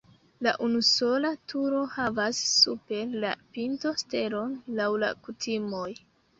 La unusola turo havas super la pinto stelon laŭ la kutimoj.